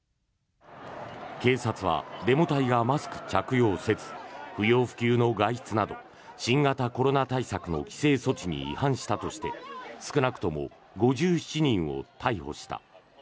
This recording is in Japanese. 警察はデモ隊がマスク着用をせず不要不急の外出など新型コロナ対策の規制措置に違反したとして少なくとも５７人を逮捕した。